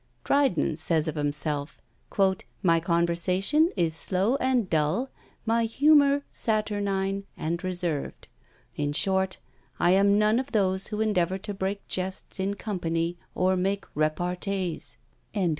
Dryden says of himself "My conversation is slow and dull, my humour saturnine and reserved. In short, I am none of those who endeavour to break jests in company, or make repartees." VIDA.